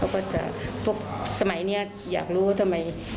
พวกสมัยเนี่ยอยากรู้ทำไม